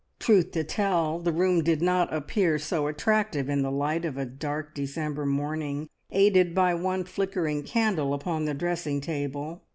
Truth to tell, the room did not appear so attractive in the light of a dark December morning, aided by one flickering candle upon the dressing table.